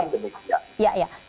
itu kan demikian